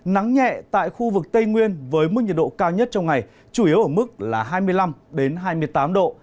nắng nhẹ tại khu vực tây nguyên với mức nhiệt độ cao nhất trong ngày chủ yếu ở mức là hai mươi năm hai mươi tám độ